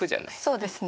そうですね。